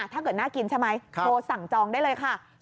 ถ้าเกิดน่ากินใช่ไหมโทรสั่งจองได้เลยค่ะ